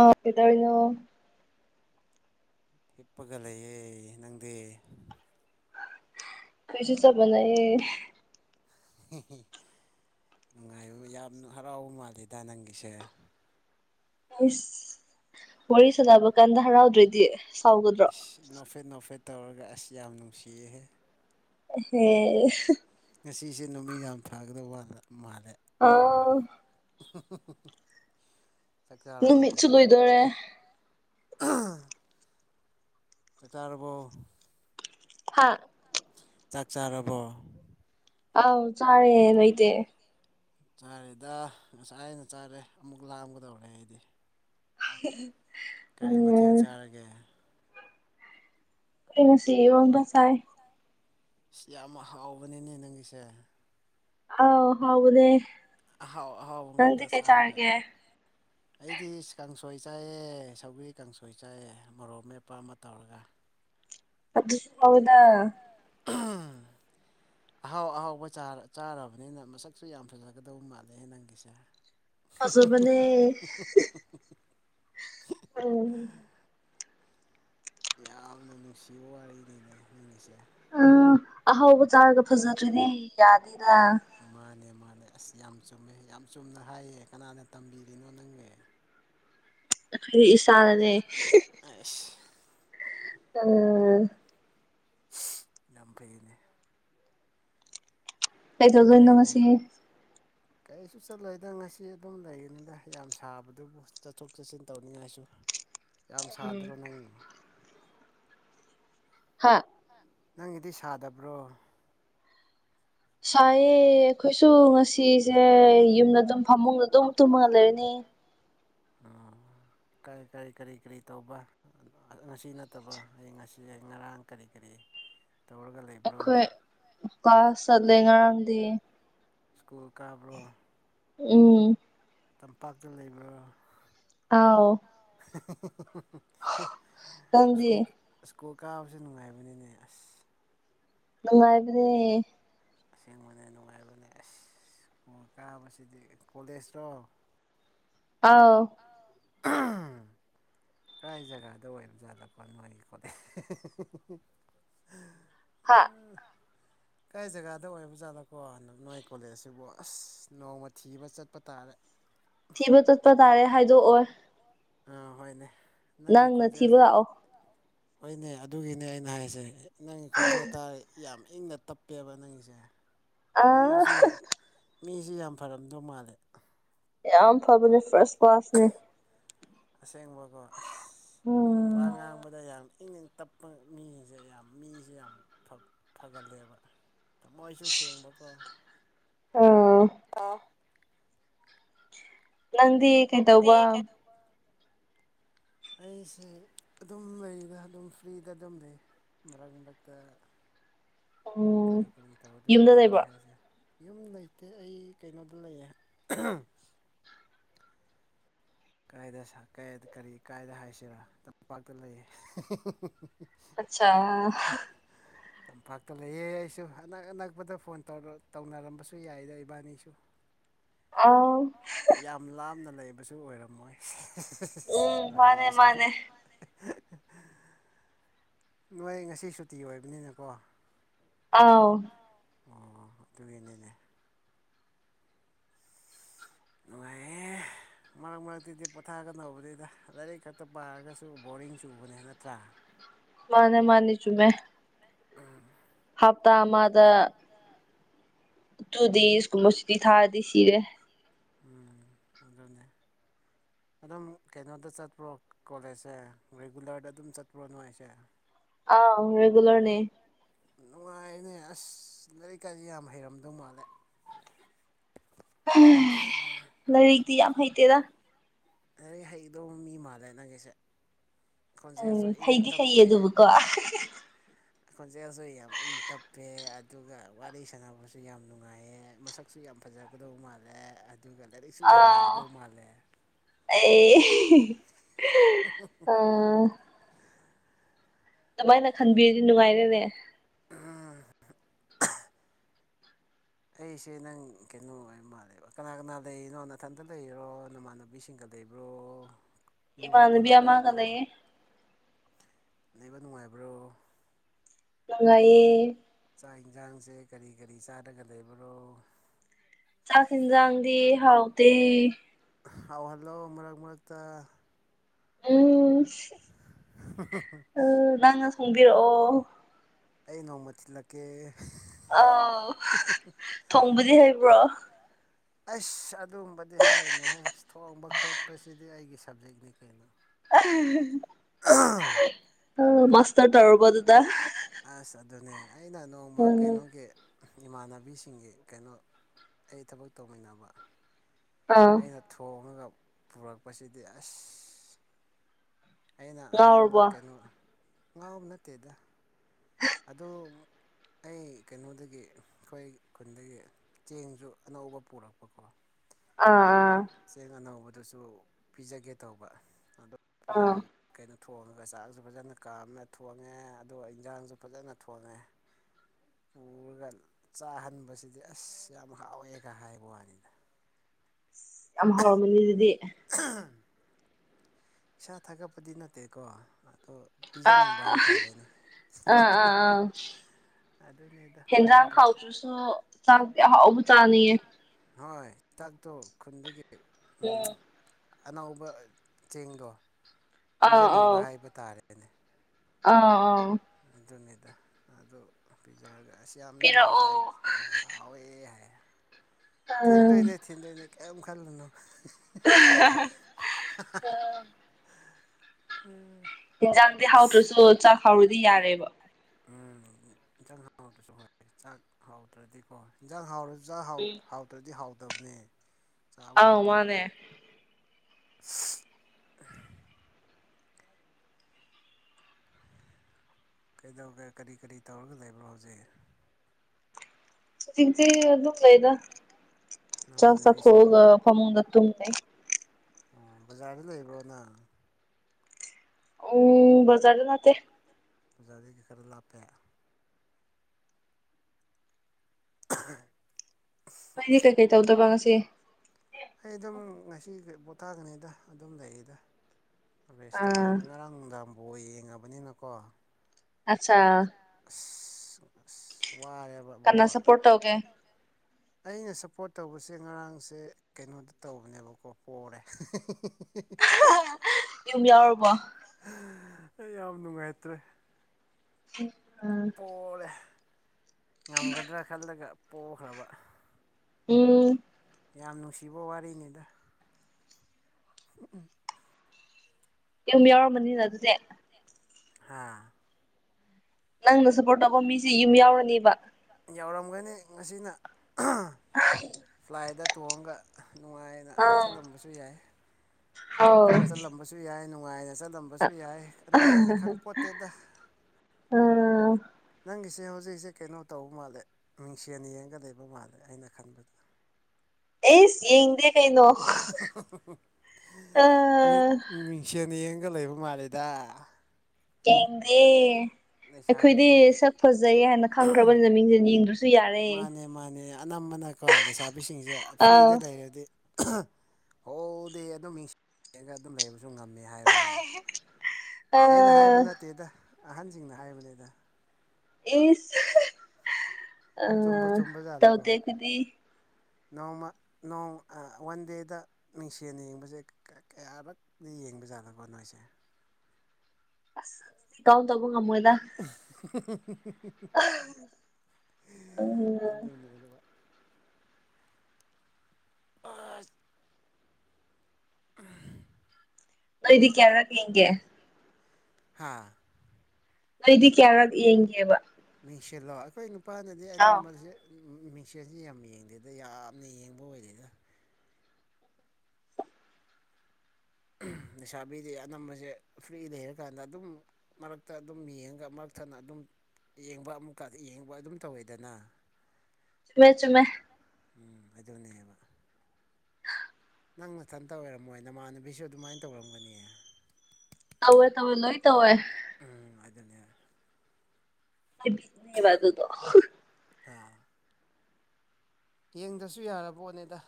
ꯑꯩꯅꯣ ꯍꯤꯞꯄꯒ ꯂꯩꯌꯦ ꯅꯪꯗꯤ ꯀꯩꯁꯨ ꯆꯕꯅꯏꯌꯦ ꯅꯨꯡꯉꯥꯏꯕ ꯌꯥꯝ ꯍꯔꯥꯎꯕ ꯃꯥꯂꯦꯗ ꯅꯪꯒꯤꯁꯦ ꯑꯁ ꯋꯥꯔꯤ ꯁꯥꯟꯅꯕ ꯀꯥꯟꯗ ꯍꯔꯥꯎꯗ꯭ꯔꯦꯗꯤ ꯁꯥꯎꯒꯗ꯭ꯔꯣ ꯅꯣꯐꯦꯠ ꯅꯣꯐꯦꯠ ꯇꯧꯔꯒ ꯑꯁ ꯌꯥꯝ ꯅꯨꯡꯁꯤꯌꯦꯍꯦ ꯍꯦ ꯉꯁꯤꯁꯦ ꯅꯨꯃꯤ ꯌꯥꯝ ꯐꯥꯒꯗꯕ ꯋꯥ ꯃꯥꯜꯂꯦ ꯑꯣ [unintelligible] ꯆꯥꯔꯕꯣ ꯅꯨꯃꯤꯠꯁꯨ ꯂꯣꯏꯗꯣꯔꯦ ꯆꯥꯛ ꯆꯥꯔꯕꯣ ꯍꯥ ꯆꯥꯛ ꯆꯥꯔꯕꯣ ꯑꯥꯎ ꯆꯥꯔꯦ ꯅꯣꯏꯇ ꯆꯥꯔꯦꯗ ꯉꯁꯥꯏ ꯑꯩꯅ ꯆꯥꯔꯦ ꯑꯃꯨꯛ ꯂꯥꯛꯑꯒꯗꯧꯔꯦ ꯑꯩꯗꯤ [unintelligible] ꯀꯔꯤ ꯃꯊꯦꯜ ꯎꯝ ꯆꯥꯔꯒꯦ ꯑꯩ ꯉꯁꯤ ꯑꯦꯔꯣꯟꯕ ꯆꯥꯏ ꯌꯥꯝ ꯍꯥꯎꯕꯅꯤꯅꯦ ꯅꯪꯒꯤꯁꯦ ꯑꯥꯎ ꯍꯥꯎꯕꯅꯦ ꯑꯍꯥꯎ ꯅꯪꯗꯤ ꯑꯍꯥꯎꯗ ꯀꯩ ꯆꯒ ꯆꯥꯔꯒꯦ ꯑꯩꯗꯤ ꯀꯥꯡꯁꯣꯏ ꯆꯥꯏꯑ ꯁꯧꯒꯔꯤ ꯀꯥꯡꯁꯣꯏ ꯆꯥꯏꯑ ꯃꯣꯔꯣꯛ ꯃꯦꯞꯄ ꯑꯃ ꯇꯧꯔꯒ ꯑꯗꯨꯁꯨ ꯍꯗ ꯎꯝ ꯑꯍꯥꯎ ꯑꯍꯥꯎꯕ ꯆꯥꯔꯕꯅꯤꯅ ꯃꯁꯛꯁꯨ ꯌꯥꯝ ꯐꯖꯒꯗꯧ ꯃꯥꯜꯂꯦ ꯅꯪꯒꯤꯁꯦ [inaudible] ꯐꯖꯕꯅꯦ ꯎꯝ ꯌꯥꯝꯅ ꯅꯨꯡꯁꯤꯕ ꯋꯥꯔꯤꯅꯤꯅꯦ ꯅꯪꯒꯤꯁꯦ ꯎꯝ ꯑꯍꯥꯎꯕ ꯆꯥꯔꯒ ꯐꯖꯗ꯭ꯔꯗꯤ ꯌꯥꯗꯦꯗ ꯃꯥꯅꯦ ꯃꯥꯅꯦ ꯑꯁ ꯌꯥꯝ ꯆꯨꯝꯃꯦ ꯌꯥꯝ ꯆꯨꯝꯅ ꯍꯥꯏꯌꯦ ꯀꯅꯥꯅ ꯇꯝꯕꯤꯔꯤꯅꯣ ꯅꯪꯅꯦ ꯑꯩꯈꯣꯏ ꯑ ꯎꯝ ꯌꯥꯝ ꯐꯩꯅꯦ ꯀꯩꯗꯧꯗꯣꯏꯅꯣ ꯀꯥꯏꯂ ꯉꯁꯤ ꯀꯔꯤꯁꯨ ꯆꯠꯂꯣꯏꯗ ꯉꯁꯤ ꯑꯗꯨꯝ ꯂꯩꯕꯅꯤꯅ ꯌꯥꯝ ꯁꯥꯕꯗꯨꯕꯨ ꯆꯠꯊꯣꯛ ꯆꯠꯁꯤꯟ ꯇꯧꯅꯤꯡꯉꯥꯏꯁꯨ ꯌꯥꯝ ꯎꯝ ꯁꯥꯗ꯭ꯔꯣ ꯅꯪ ꯍꯥ ꯅꯪꯒꯤꯗꯤ ꯁꯥꯗꯕ꯭ꯔꯣ ꯁꯥꯏꯌꯦ ꯑꯩꯈꯣꯏꯁꯨ ꯉꯁꯤꯁꯦ ꯌꯨꯝꯗ ꯑꯗꯨꯝ ꯐꯃꯨꯡꯗ ꯑꯗꯨꯝ ꯇꯨꯝꯃꯒ ꯂꯩꯔꯅꯤ ꯑꯣ ꯀꯥꯏ ꯀꯔꯤ ꯀꯔꯤ ꯀꯔꯤ ꯇꯧꯕ ꯉꯁꯤ ꯅꯠꯇꯕ ꯑꯩ ꯉꯁꯤ ꯉꯔꯥꯡ ꯀꯔꯤ ꯀꯔꯤ ꯇꯧꯔꯒ ꯂꯩ ꯑꯩꯈꯣꯏ ꯀ꯭ꯂꯥꯁ ꯆꯠꯂꯦ ꯉꯔꯥꯡꯗꯤ ꯁ꯭ꯀꯨꯜ ꯀꯥꯕ꯭ꯔꯣ ꯎꯝ ꯇꯝꯄꯥꯛꯇ ꯂꯩꯕ ꯑꯥꯎ ꯅꯪꯗꯤ ꯁ꯭ꯀꯣꯞ ꯁꯀꯣꯜ ꯀꯥꯕꯁꯦ ꯅꯨꯡꯉꯥꯏꯕꯅꯤꯅꯦ ꯑꯁ ꯥꯏꯕꯗꯤ ꯑꯁꯦꯡꯕꯅꯦ ꯅꯨꯡꯉꯥꯏꯕꯅꯦ ꯑꯁ ꯁ꯭ꯀꯨꯜ ꯀꯥꯕꯁꯤꯗꯤ ꯀꯣꯂꯦꯖꯇꯣ ꯑꯥꯎ ꯀꯥꯏ ꯖꯒꯥꯗ ꯑꯣꯏꯕ ꯖꯥꯠꯂꯄꯣꯠ ꯅꯣꯏꯒꯤ ꯈꯣꯠꯂ ꯍꯥ ꯎꯝ ꯀꯥꯏ ꯖꯒꯥꯗ ꯑꯣꯏꯕ ꯖꯥꯠꯅꯣꯀꯣ ꯍꯟꯗꯛ ꯅꯣꯏ ꯀꯣꯂꯦꯖꯁꯤꯕꯨ ꯑꯁ ꯅꯣꯡꯃ ꯊꯤꯕ ꯆꯠꯄ ꯇꯥꯔꯦ ꯊꯤꯕ ꯆꯠꯄ ꯇꯥꯔꯦ ꯍꯥꯏꯗꯣꯛꯑꯣ ꯑꯥ ꯍꯣꯏꯅꯦ ꯅꯪꯒꯤ ꯅꯪꯅ ꯊꯤꯕ ꯈꯣꯟꯖꯦꯜꯁꯦ ꯂꯥꯛꯑꯣ ꯍꯣꯏꯅꯦ ꯑꯗꯨꯒꯤꯅꯦ ꯑꯩꯅ ꯍꯥꯏꯁꯦ ꯅꯪꯒꯤ ꯈꯣꯟꯖꯦꯜ ꯇꯥꯔ ꯌꯥꯝ ꯏꯪꯅ ꯇꯞ ꯀꯦꯕ ꯅꯪꯁꯦ ꯑꯥ ꯃꯤꯁꯨ ꯌꯥꯝ ꯃꯤꯁꯤ ꯌꯥꯝ ꯐꯔꯝꯗꯧ ꯃꯥꯂꯦ ꯌꯥꯝ ꯐꯕꯅꯦ ꯐꯥꯔꯁ ꯀ꯭ꯂꯥꯁꯅꯦ ꯑꯁꯦꯡꯕꯀꯣ ꯑꯁ ꯋꯥ ꯎꯝ ꯉꯥꯡꯕꯗ ꯌꯥꯝ ꯏꯪ ꯏꯪ ꯇꯞ ꯃꯤꯁꯦ ꯌꯥꯝ ꯃꯤꯁꯦ ꯌꯥꯝ ꯐꯒꯠꯂꯦꯕ ꯊꯃꯣꯣꯏꯁꯨ ꯁꯦꯡꯕꯀꯣ ꯑꯥ ꯑꯥ ꯅꯪꯗꯤ ꯀꯩꯇꯧꯕ ꯑꯩꯁꯦ ꯑꯗꯨꯝ ꯂꯩꯗ ꯑꯗꯨꯝ ꯐ꯭ꯔꯤꯗ ꯑꯗꯨꯝ ꯂꯩ ꯃꯔꯛ ꯃꯔꯛ ꯇ ꯎꯝ ꯀꯔꯤ ꯀꯔꯤ ꯇꯧꯗ ꯌꯨꯝꯗ ꯀꯔꯤ ꯀꯔꯤ ꯂꯩꯕ꯭ꯔꯣ ꯍꯥꯏ ꯌꯨꯝ ꯂꯩꯇꯦ ꯑꯩ ꯀꯩꯅꯣꯗ ꯂꯩꯌꯦ ꯀꯥꯏꯗ ꯀꯔꯤ ꯀꯥꯏꯗ ꯍꯥꯏꯁꯤꯔꯥ ꯇꯝꯄꯥꯛꯇ ꯂꯩꯌꯦ ꯑꯆꯥ [inaudible] ꯇꯝꯄꯥꯛꯇ ꯂꯩꯌꯦ ꯑꯩꯁꯨ ꯑꯅꯛ ꯑꯅꯛꯄꯗ ꯐꯣꯟꯧ ꯇꯧꯅꯔꯝꯕꯁꯨ ꯌꯥꯏꯗ ꯏꯕꯥꯅꯤꯁꯨ ꯑꯥꯎ ꯌꯥꯝ ꯂꯥꯞꯅ ꯂꯩꯕꯁꯨ ꯑꯣꯏꯔꯝꯃꯣꯏ ꯎꯝ ꯃꯥꯅꯦ ꯋꯥꯔꯤꯁꯤꯗꯤ ꯃꯥꯅꯦ ꯅꯣꯏ ꯉꯁꯤ ꯁꯨꯇꯤ ꯑꯣꯏꯕꯅꯤꯅꯀꯣ ꯑꯥꯎ ꯑꯣ ꯑꯗꯨꯒꯤꯅꯤꯅꯦ ꯅꯅꯨꯡꯥꯏ ꯃꯔꯛ ꯃꯔꯛꯇꯨꯗꯤ ꯄꯣꯊꯥꯒ ꯅꯧꯕꯅꯤꯩꯗ ꯂꯥꯏꯔꯤꯛ ꯈꯛꯇ ꯄꯥꯔꯒꯁꯨ ꯕꯣꯔꯤꯡ ꯆꯨꯕꯅꯦ ꯅꯠꯇ꯭ꯔꯥ ꯃꯥꯅꯦ ꯃꯥꯅꯤꯃꯦ ꯍꯥꯞꯇꯥ ꯑꯃꯗ ꯇꯨ ꯗꯦꯁꯀꯨꯝꯕ ꯁꯇꯤ ꯊꯥꯔꯗꯤ ꯁꯤꯔꯦ ꯎꯝ ꯑꯗꯨꯅꯦ ꯑꯗꯨꯝ ꯀꯩꯅꯣꯗ ꯆꯠꯄ꯭ꯔꯣ ꯀꯣꯂꯦꯖꯁꯦ ꯔꯤꯒꯨꯂꯔꯗ ꯑꯗꯨꯝ ꯆꯠꯄ꯭ꯔꯣ ꯅꯣꯏꯁꯦ [inaudible] ꯑ ꯔꯦꯒꯂꯔꯅꯦ ꯅꯨꯡꯉꯥꯏꯅꯦ ꯑꯁ ꯂꯥꯏꯔꯤꯛꯀꯥꯏꯗꯤ ꯌꯥꯝ ꯍꯩꯔꯝꯗꯧ ꯃꯥꯜꯂꯦ ꯂꯥꯏꯔꯤꯛꯇꯤ ꯌꯥꯝ ꯍꯩꯇꯦꯗ ꯂꯥꯏꯔꯤꯛ ꯍꯩꯗꯧꯕ ꯃꯤ ꯃꯥꯜꯂꯦ ꯅꯪꯒꯤꯁꯦ ꯈꯣꯟꯖꯦꯜꯁꯨ ꯎꯝ ꯏꯪ ꯍꯩꯗꯤ ꯍꯩꯌꯦ ꯇꯞꯄꯦ ꯑꯗꯨꯕꯨꯀꯣ ꯑꯥ ꯈꯣꯟꯖꯦꯜꯁꯨ ꯌꯥꯝ ꯏꯪ ꯇꯞꯄꯦ ꯑꯗꯨꯒ ꯋꯥꯔꯤ ꯁꯥꯟꯅꯕꯁꯨ ꯌꯥꯝ ꯅꯨꯡꯉꯥꯏꯌꯦ ꯃꯁꯛ ꯁꯨ ꯌꯥꯝ ꯐꯖꯒꯗꯧ ꯃꯥꯜꯂꯦ ꯑꯗꯨꯒ ꯂꯥꯏ ꯑ ꯑꯦ ꯑ ꯎꯝ ꯀꯃꯥꯏꯅ ꯈꯟꯕꯤꯔꯗꯤ ꯅꯨꯡꯉꯥꯏꯔꯦꯅꯦ ꯑꯥ ꯑꯩꯁꯦ ꯅꯪ ꯀꯩꯅꯣ ꯑꯣꯏ ꯃꯥꯜꯂꯦꯕ ꯀꯅꯥ ꯀꯅꯥ ꯂꯩꯔꯤꯅꯣ ꯅꯥꯊꯟꯇ ꯂꯩꯔꯣ ꯅꯃꯥꯟꯅꯕ ꯄꯥꯕꯤꯁꯤꯡꯒ ꯂꯩꯕ꯭ꯔꯣ ꯌꯨꯝ ꯏꯃꯥꯟꯅꯕꯤ ꯄꯨꯂꯞ ꯑꯃꯒ ꯂꯩꯕ꯭ꯔꯣ ꯂꯩꯌꯦ ꯂꯩꯕ ꯅꯨꯡꯉꯥꯏꯕ꯭ꯔꯣ ꯅꯨꯡꯉꯥꯏꯌꯦ ꯆꯥꯛ ꯌꯦꯟꯁꯥꯡꯁꯦ ꯀꯔꯤ ꯀꯔꯤ ꯆꯥꯔꯒ ꯂꯩꯕꯔꯣ ꯆꯥꯛ ꯏꯟꯖꯥꯡꯗꯤ ꯍꯥꯎꯗꯤ ꯍꯥꯎꯍꯜꯂꯥꯎꯑꯣ ꯃꯔꯛ ꯃꯔꯛꯇ ꯎꯝ ꯑ [unintelligible] ꯅꯪꯅ ꯊꯡꯕꯤꯔꯛꯑꯣ ꯑꯩ ꯅꯣꯡꯃ ꯊꯤꯜꯂꯛꯀꯦ ꯑꯥꯎ ꯊꯣꯡꯕꯗꯤ ꯍꯩꯕ꯭ꯔꯣ ꯑꯁ ꯑꯗꯨꯝꯕꯗꯤ ꯍꯥꯏꯔꯅꯨꯍꯦ ꯊꯣꯡꯕ ꯈꯣꯠꯄꯁꯤꯗꯤ ꯑꯩꯒꯤ ꯁꯕꯖꯦꯛꯅꯤ ꯀꯩꯅꯣ ꯑ ꯃꯥꯥꯁꯇꯔ ꯇꯧꯔꯕ ꯑꯗꯨꯗ ꯑꯁ ꯑꯗꯨꯅꯦ ꯑꯩꯅ ꯅꯣꯡꯃ ꯑ ꯀꯩꯅꯣꯒꯤ ꯏꯃꯥꯟꯅꯕꯤꯁꯤꯡꯒꯤ ꯀꯩꯅꯣ ꯑꯩ ꯊꯕꯛ ꯇꯧꯃꯤꯟꯅꯕ [unintelligible] ꯑꯩꯅ ꯊꯣꯡꯉꯒ ꯄꯨꯔꯛꯄꯁꯤꯗꯤ ꯑꯁ ꯑꯩꯅ ꯑꯍꯥꯟꯕ ꯉꯥꯎꯔꯕꯣ ꯀꯩꯅꯣ ꯉꯥꯎꯕ ꯅꯠꯇꯦꯗ ꯍ ꯑꯗꯣ ꯑꯩ ꯀꯩꯅꯣꯗꯒꯤ ꯑꯩꯈꯣꯏ ꯈꯨꯟꯗꯒꯤ ꯆꯦꯡꯁꯨ ꯑꯅꯧꯕ ꯄꯨꯔꯛꯄꯀꯣ ꯑꯥ ꯑꯥ ꯆꯦꯡ ꯑꯅꯧꯕꯗꯨꯁꯨ ꯄꯤꯖꯒꯦ ꯇꯧꯕ ꯑꯗꯨ ꯄꯤ ꯑꯥ ꯀꯩꯅꯣ ꯊꯣꯡꯉꯒ ꯆꯥꯛꯁꯨ ꯐꯖꯅ ꯀꯥꯝꯃꯦ ꯊꯣꯡꯉꯦ ꯑꯗꯨꯒ ꯏꯟꯖꯥꯡꯁꯨ ꯐꯖꯅ ꯊꯣꯡꯉꯦ꯫ ꯄꯨꯔꯒ ꯆꯥꯍꯟꯕꯁꯤꯗꯤ ꯑꯁ ꯌꯥꯝ ꯍꯥꯎꯋꯦꯒ ꯍꯥꯏꯕ ꯋꯥꯅꯤꯗ꯫ ꯌꯥꯝ ꯍꯎꯔꯝꯃꯅꯤ ꯗꯨꯗꯤ [unintelligible] ꯏꯁꯥ ꯊꯥꯒꯠꯄꯗꯤ ꯅꯠꯇꯦꯀꯣ ꯑꯗꯣ ꯑꯥ ꯄꯤꯖꯅꯤꯡꯕ ꯍꯥꯏꯇꯥꯔꯦꯅꯦ ꯑꯥ ꯑꯥ ꯑꯥ [unintelligible] ꯑꯗꯨꯅꯦꯗ ꯍꯦꯟꯖꯥꯡ ꯋꯥꯔꯤꯗꯣ ꯈꯥꯎꯗ꯭ꯔꯁꯨ ꯆꯥꯛꯗꯤ ꯑꯍꯥꯎꯕ ꯆꯥꯅꯤꯡꯉꯦ ꯍꯣꯏ ꯆꯥꯛꯇꯣ ꯈꯨꯟꯗꯒꯤ ꯎꯝ ꯑꯅꯧꯕ ꯆꯦꯡꯗꯣ ꯑꯥ ꯄꯤꯖꯅꯤꯡꯕ ꯑꯥ ꯍꯥꯏꯕ ꯇꯥꯔꯦꯅꯦ ꯑꯥ ꯑꯥ ꯑꯗꯨꯅꯤꯗ ꯑꯗꯨ ꯄꯤꯖꯔꯒ ꯑꯁ ꯌꯥꯝ ꯅꯣꯏꯒꯤ ꯄꯤꯔꯛꯑꯣ ꯆꯥꯏ ꯍꯥꯎꯋꯦ ꯍꯥꯏ꯫ ꯑꯥ ꯊꯤꯟꯗꯣꯏꯅꯦ ꯊꯤꯟꯗꯣꯏꯅꯦ ꯀꯩꯝ ꯈꯜꯂꯨꯅꯨ [unintelligible] ꯎꯝ ꯍꯟꯖꯥꯡꯗꯤ ꯍꯥꯎꯗ꯭ꯔꯁꯨ ꯆꯥꯛ ꯍꯥꯎꯔꯗꯤ ꯌꯥꯔꯦꯕ ꯎꯝ ꯌꯦꯟꯁꯥꯡ ꯍꯥꯎꯗ꯭ꯔꯁꯨ ꯍꯣꯏ ꯆꯥꯛ ꯍꯥꯎꯗ꯭ꯔꯗꯤ ꯑꯣ ꯏꯟꯁꯥꯡ ꯍꯥꯎꯔꯁꯨ ꯆꯥꯛ ꯎꯝ ꯍꯥꯎꯇ꯭ꯔꯗꯤ ꯍꯥꯎꯗꯕꯅꯦ ꯆꯥꯕ ꯑꯥꯎ ꯃꯥꯅꯦ ꯍꯥꯎꯇꯕꯅꯤ ꯑ [unintelligible] ꯀꯩꯗꯧꯒꯦ ꯀꯔꯤ ꯀꯔꯤ ꯇꯧꯔꯒ ꯂꯩꯕ꯭ꯔꯣ ꯍꯧꯖꯤꯛ? ꯆꯤꯡꯆꯤ ꯑꯗꯨꯝ ꯂꯩꯗ ꯆꯥꯛ ꯅꯃꯥꯟꯅꯕꯤꯁꯨ ꯆꯥꯊꯣꯛꯑꯒ ꯐꯃꯨꯡꯗ ꯇꯨꯝꯅꯤ꯫ ꯑꯣ ꯕꯖꯥꯔꯗ ꯂꯩꯕ꯭ꯔꯣꯅ [unintelligible] ꯕꯖꯥꯔꯗ ꯅꯠꯇꯦ ꯑꯣꯖꯥꯖꯤꯡꯖꯦ ꯈꯔ ꯂꯥꯞꯄꯦ ꯁ [unintelligible] ꯅꯣꯏꯗꯤ ꯀꯩꯀꯩ ꯇꯧꯗꯕ ꯉꯁꯤ ꯑꯩ ꯑꯗꯨꯝ ꯉꯁꯤ ꯄꯣꯊꯥꯒꯅꯤꯗ ꯑꯗꯨꯝ ꯂꯩꯔꯤꯗ꯫ ꯕꯔꯨꯁ ꯑꯥ ꯇꯧꯒꯦꯅ ꯉꯔꯥꯡ ꯅꯨꯡꯗꯥꯡꯕ ꯌꯦꯡꯉꯕꯅꯤꯅꯀꯣ ꯑꯠꯆꯥ ꯑꯁ ꯑꯁ ꯋꯥꯔꯦꯕ ꯕꯣ ꯀꯅꯥ ꯁꯞꯄꯣꯔꯠ ꯇꯧꯒꯦ ꯑꯩꯅ ꯁꯞꯄꯣꯔꯠ ꯇꯧꯕꯁꯦ ꯉꯔꯥꯡꯁꯦ ꯀꯩꯅꯣꯗ ꯇꯧꯕꯅꯦꯕꯀꯣ ꯄꯣꯔꯦ [unintelligible] [unintelligible] ꯌꯨꯝ ꯌꯥꯎꯔꯕꯣ ꯑꯩ ꯌꯥꯝ ꯅꯨꯡꯉꯥꯏꯇ꯭ꯔꯦ ꯑꯝ ꯄꯣꯔꯦ ꯉꯝꯒꯗ꯭ꯔꯥ ꯈꯜꯂꯒ ꯄꯣꯈ꯭ꯔꯕ ꯎꯝ ꯌꯥꯝ ꯅꯨꯡꯁꯤꯕ ꯋꯥꯔꯤꯅꯤꯗ꯫ ꯌꯨꯝ ꯌꯥꯎꯔꯃꯅꯤꯅ ꯑꯗꯨꯗꯤ ꯍꯥꯥ ꯅꯪꯅ ꯁꯞꯄꯣꯔꯠ ꯇꯧꯕ ꯃꯤꯁꯤ ꯌꯨꯝ ꯌꯥꯎꯔꯅꯦꯕ ꯌꯥꯎꯔꯝꯒꯅꯤ ꯉꯁꯤꯅ [unintelligible] ꯐ꯭ꯂꯥꯏꯗ ꯇꯣꯡꯉꯒ ꯅꯨꯡꯉꯥꯏꯅ ꯑꯥ ꯆꯠꯂꯝꯕꯁꯨ ꯌꯥꯏ ꯑꯧ ꯀꯞꯄꯒ ꯆꯠꯂꯝꯕ ꯨ ꯌꯥꯏ ꯅꯨꯡꯉꯥꯏꯅ ꯆꯠꯂꯝꯕꯁꯨ ꯑꯥ ꯌꯥꯏ ꯑ ꯑꯩꯈꯣꯏꯅ ꯈꯪ ꯄꯣꯠꯇꯦꯗ ꯅꯪꯒꯤꯁꯦ ꯍꯧꯖꯤꯛꯁꯦ ꯀꯩꯅꯣ ꯇꯧꯕ ꯃꯥꯜꯂꯦ ꯃꯤꯡꯁꯦꯟ ꯌꯦꯡꯒ ꯂꯩꯕ ꯃꯥꯜꯂꯦ ꯑꯩꯅ ꯈꯟꯕꯗ ꯑꯦꯁ ꯌꯦꯡꯗꯦ ꯀꯩꯅꯣ [unintelligible] ꯑ ꯃꯤ ꯃꯤ ꯁꯤꯟ ꯌꯦꯡꯒ ꯂꯩꯕ ꯃꯥꯜꯂꯤꯗ꯫ ꯌꯦꯡꯗꯦ ꯑꯩꯈꯣꯏꯗꯤ ꯂꯩꯁꯥꯕꯤꯁꯤꯡꯁꯦ ꯁꯛ ꯐꯖꯩ ꯍꯥꯏꯅ ꯈꯪꯈ꯭ꯔꯕꯅꯤꯅ ꯃꯤꯡꯁꯦ ꯌꯦꯡꯗ꯭ꯔꯁꯨ ꯌꯥꯔꯦ ꯃꯥꯅꯦ ꯃꯥꯅꯦ ꯑꯅꯝꯕꯅꯀꯣ ꯂꯩꯁꯥꯕꯤꯁꯤꯡꯁꯦ ꯑꯥ ꯐ꯭ꯔꯤꯗ ꯂꯩꯔꯗꯤ [unintelligible] ꯍꯣꯗꯤ ꯑꯗꯨꯝ ꯅꯤꯡꯁꯤꯡꯉꯒ ꯑꯗꯨꯝ ꯂꯩꯕꯁꯨ ꯉꯝꯃꯦ ꯍꯥꯏꯕꯅꯤꯅꯦ꯫ ꯑꯩꯅ ꯑꯥ ꯍꯥꯏꯕ ꯅꯠꯇꯦꯗ ꯑꯍꯟꯁꯤꯡꯅ ꯍꯥꯏꯕꯅꯦꯗ ꯏꯁ ꯑ ꯆꯨꯝꯕꯨ ꯆꯨꯝꯕ ꯖꯥꯠꯂꯀꯣ ꯇꯧꯗ ꯈꯨꯗꯤ꯫ ꯅꯣꯡꯃ ꯅꯣ ꯋꯥꯟ ꯗꯦꯗ ꯃꯤꯡꯁꯦꯟ ꯌꯦꯡꯕꯁꯦ ꯀꯌꯥꯔꯛꯗꯤ ꯌꯦꯡꯕꯖꯥꯠꯅꯣꯀꯣ ꯅꯣꯏꯁꯦ [unintelligible] ꯇꯣꯟ ꯇꯕꯨꯨꯡ ꯉꯃꯣꯏꯗ [unintelligible] ꯎꯝ ꯑꯗꯨꯅꯦꯕ ꯑ ꯑ ꯑꯩꯗꯤ ꯀꯌꯥꯔꯛ ꯌꯦꯡꯒꯦ ꯍꯥꯥ ꯑꯩꯗꯤ ꯃꯤꯡꯁꯤꯜꯂꯣ ꯑꯩꯈꯣꯏ ꯅꯨꯄꯥꯅꯗꯤ ꯑꯥꯎ ꯑꯅꯝꯕꯁ [unintelligible] ꯃꯤꯛꯆꯔꯁꯤꯦ ꯌꯥꯝ ꯌꯦꯡꯗꯦꯗ ꯌꯥꯝꯅ ꯌꯦꯡꯕ ꯑꯣꯏꯔꯦꯗ ꯂꯩꯁꯥꯕꯤꯗꯤ ꯑꯅꯝꯕꯁꯦ ꯐ꯭ꯔꯤ ꯂꯩꯔꯀꯥꯟꯗ ꯑꯗꯨꯝ ꯃꯔꯛꯇ ꯑꯗꯨꯝ ꯌꯦꯡꯉꯒ ꯃꯔꯛ ꯊꯠꯅ ꯑꯗꯨꯝ ꯌꯦꯡꯕ ꯑꯃꯨꯛꯀ ꯌꯦꯡꯕ ꯑꯗꯨꯝ ꯇꯧꯋꯦꯗꯅ ꯆꯨꯃꯦ ꯆꯨꯨꯃꯦ ꯎꯝ ꯑꯗꯨꯅꯦꯕ ꯅꯪ ꯅꯊꯟ ꯇꯧꯔꯝ ꯃꯣꯏ ꯅꯃꯟ ꯅꯕꯤꯁꯨ ꯑꯗꯨꯃꯥꯏꯅ ꯇꯧꯔꯝꯒꯅꯤ ꯇꯋꯦ ꯇꯋꯦ ꯂꯣꯏ ꯇꯧꯋꯦ꯫ ꯎꯝ ꯑꯗꯨꯅꯦ [unintelligible] ꯑꯗꯨꯗ ꯑꯥ ꯌꯦꯡꯗꯁꯨ ꯌꯥꯔꯕꯣꯠꯅꯦꯗ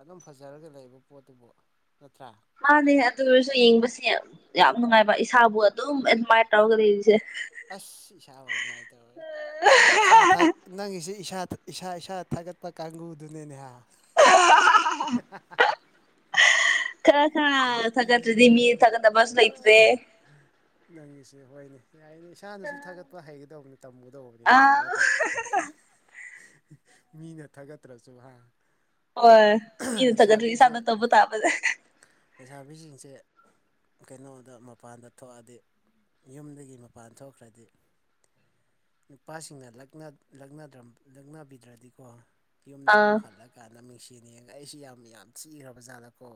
ꯑꯗꯨꯝ ꯐꯖꯔꯒ ꯂꯩꯕ ꯄꯣꯠꯇꯨꯕꯨ ꯅꯠꯇ꯭ꯔꯥ? ꯃꯥꯅꯦ ꯑꯗꯨ ꯑꯣꯏꯔꯁꯨ ꯌꯦꯡꯕꯁꯦ ꯌꯥꯝ ꯅꯨꯡꯉꯥꯏꯕ ꯏꯁꯥꯕꯨ ꯑꯗꯨꯝ ꯑꯦꯗꯃꯥꯏꯔ ꯇꯧꯔꯒ ꯂꯩꯁꯦ ꯑꯁ ꯏꯁꯥ ꯑꯣꯏ ꯅꯨꯉꯥꯏꯇꯕꯩ ꯏꯁꯥ ꯊꯛ ꯅꯪꯒꯤꯁꯦ ꯏꯁꯥ ꯏꯁꯥ ꯏꯁꯥ ꯊꯥꯒꯠꯄ ꯀꯥꯡꯒꯨꯗꯨꯅꯦꯅꯦꯍꯥ꯫ [unintelligible] ꯈꯔ ꯈꯔ ꯊꯒꯠꯇꯔ꯭ꯗꯤ ꯃꯤ ꯊꯒꯠ ꯑ ꯑ ꯅꯪꯒꯤꯁꯦ ꯍꯣꯏꯅꯦ ꯌꯥꯏꯅꯦ ꯏꯁꯥꯅꯁꯨ ꯊꯥꯒꯠꯄ ꯍꯩꯒꯗꯧꯕꯅꯤ ꯇꯝꯒꯗꯧꯕꯅꯤ ꯑ ꯀꯩꯅꯣ ꯅꯠꯇ꯭ꯔꯥ ꯃꯤꯅ ꯊꯥꯒꯠꯇ꯭ꯔꯁꯨ ꯍꯥ ꯍꯣꯏ ꯃꯤꯅ ꯊꯥꯒꯠꯇ꯭ꯔꯤ ꯂꯩꯁꯥꯕꯤꯁꯦ ꯏꯁꯥꯗ ꯇꯧꯕ ꯇꯥꯕꯅꯦ ꯂꯩꯁꯥꯕꯤꯁꯤꯡꯁꯦ ꯀꯩꯅꯣꯗ ꯃꯄꯥꯟꯗ ꯊꯣꯛꯑꯗꯤ ꯌꯨꯝꯗꯒꯤ ꯃꯄꯥꯟ ꯊꯣꯛꯈ꯭ꯔꯗꯤ ꯅꯨꯄꯥꯁꯤꯡꯅ ꯂꯛꯅꯕꯤꯗ꯭ꯔꯗꯤꯀꯣ ꯌꯨꯝꯗ ꯑꯥ ꯑꯃꯨꯛ ꯍꯜꯂꯀꯥꯟꯗ ꯃꯤꯡꯁꯤꯅ ꯌꯦꯡꯉ ꯑꯩꯁꯤ ꯌꯥꯝ ꯌꯥꯝ ꯊꯤꯈ꯭ꯔ ꯖꯥꯠꯂꯀꯣ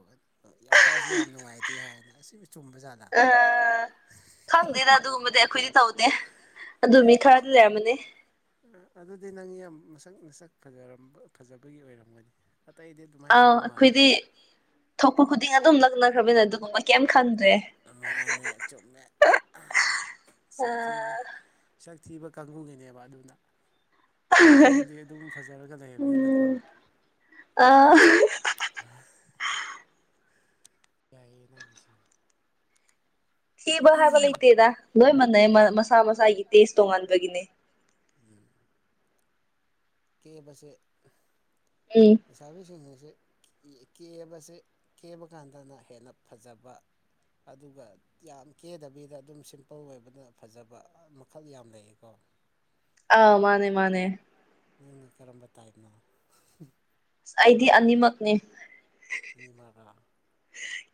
ꯋꯥꯈꯜꯁꯦ ꯌꯥꯝ ꯅꯨꯡꯉꯥꯏꯇꯦ ꯍꯥꯏꯅ ꯑꯁꯤꯕꯨ ꯆꯨꯝꯕ ꯖꯥꯠꯗ ꯑ ꯈꯪꯗꯦꯗ ꯑꯗꯨꯒꯨꯝꯕꯗꯤ ꯑꯩꯈꯣꯏꯗꯤ ꯇꯧꯗꯦ ꯑꯗꯨ ꯃꯤ ꯈꯔꯗꯤ ꯂꯩꯔꯝꯃꯅꯤ ꯑ ꯑꯗꯨꯗꯤ ꯅꯪ ꯌꯥꯝ ꯃꯁꯛ ꯅꯁꯛ ꯐꯖꯔꯝꯕ ꯐꯖꯕꯒꯤ ꯑꯣꯏꯔꯝꯒꯅꯤ꯫ ꯑꯇꯩꯗꯤ ꯑꯗꯨꯃꯥꯏꯅ ꯑꯥꯎ ꯇꯧꯕ ꯃꯥꯜꯂꯦ ꯑꯩꯈꯣꯏꯗꯤ ꯊꯣꯛꯄ ꯈꯨꯗꯤꯡ ꯑꯗꯨꯝ ꯂꯛꯅꯈ꯭ꯔꯕꯅ ꯑꯗꯨꯒꯨꯝꯕ ꯀꯩꯝ ꯈꯟꯗ꯭ꯔꯦ꯫ ꯃꯥꯅꯦ ꯆꯨꯝꯃꯦ [unintelligible] ꯊꯤꯕ ꯑꯥ ꯁꯛ ꯊꯤꯕ ꯀꯥꯡꯕꯨꯨꯒꯤꯅꯦꯕ ꯑꯗꯨꯅ ꯅꯪꯗꯤ ꯑꯗꯨꯝ ꯐꯖꯔꯒ ꯂꯩꯕꯅꯤꯅꯀꯣ ꯑꯥ [unintelligible] ꯌꯥꯏꯌꯦ ꯅꯪꯒꯤꯁꯦ꯫ ꯊꯤꯕ ꯍꯥꯏꯕ ꯂꯩꯇꯦꯗ ꯂꯣꯏ ꯃꯥꯟꯅꯩ ꯍꯥ ꯃꯁꯥ ꯃꯁꯥꯒꯤ ꯇꯦꯁ ꯇꯣꯡꯉꯥꯟꯕꯒꯤꯅꯦ ꯎꯝ ꯀꯦꯕꯁꯦ ꯎꯝ ꯂꯩꯁꯥꯕꯤꯁꯤꯡ ꯑꯁ‌ꯦ ꯀ‌ꯦ ꯀꯦꯕꯁꯦ ꯀꯦꯕ ꯀꯥꯟꯗꯅ ꯍꯦꯟꯅ ꯐꯖꯕ ꯑꯗꯨꯒ ꯌꯥꯝ ꯀꯦꯗꯕꯤꯗ ꯑꯗꯨꯝ ꯁꯤꯝꯄꯜ ꯑꯣꯏꯕꯅ ꯐꯖꯕ ꯃꯈꯜ ꯌꯥꯝ ꯂꯩꯌꯦꯀꯣ ꯑꯥ ꯃꯥꯅꯦ ꯃꯥꯅꯦ ꯅꯪꯅ ꯀꯔꯝꯕ ꯇꯥꯏꯞꯅꯣ ꯑꯩꯗꯤ ꯑꯅꯤꯃꯛꯅꯤ ꯑꯅꯤꯃꯛꯔꯥ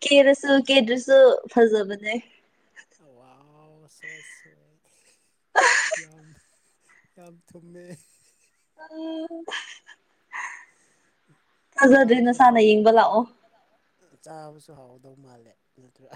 ꯀꯦꯔ ꯁ ꯀꯦꯗ꯭ꯔꯁꯨ ꯐꯖꯕꯅꯦ ꯑ ꯁ ꯁꯋ ꯌꯥꯝ ꯌꯥꯝ ꯊꯨꯝꯃꯦ ꯐꯥꯖꯗ꯭ꯦ ꯆꯥꯕꯁꯨ ꯅꯁꯥꯅ ꯍꯥꯎ ꯌꯦꯡꯕ ꯂꯥꯛꯑꯣ ꯆꯥꯕꯁꯨ ꯍꯥꯎꯗꯧ ꯃꯥꯜꯂꯦ ꯅꯠꯇ꯭ꯔꯥ